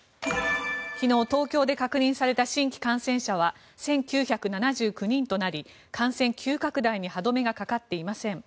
昨日、東京で確認された新規感染者は１９７９人となり感染急拡大に歯止めがかかっていません。